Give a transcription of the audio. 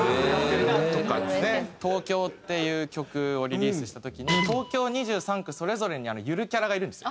『東京』っていう曲をリリースした時に東京２３区それぞれにゆるキャラがいるんですよ。